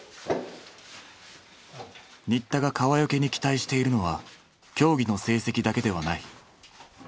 新田が川除に期待しているのは競技の成績だけではない。